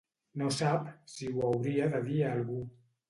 No sap si ho hauria de dir a algú.